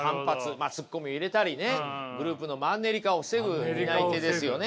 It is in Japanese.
まあツッコミを入れたりねグループのマンネリ化を防ぐ担い手ですよね